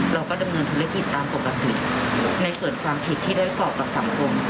ดำเนินธุรกิจตามปกติในส่วนความผิดที่ได้กรอบกับสังคม